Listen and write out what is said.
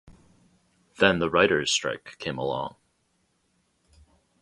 Then the writers strike came along.